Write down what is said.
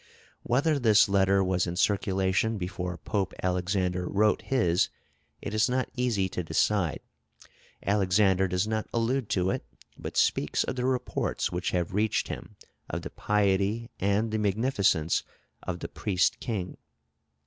Whether this letter was in circulation before Pope Alexander wrote his, it is not easy to decide. Alexander does not allude to it, but speaks of the reports which have reached him of the piety and the magnificence of the Priest King.